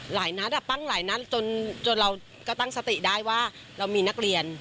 หลายนัดอ่ะปั้งหลายนัดจนเราก็ตั้งสติได้ว่าเรามีนักเรียน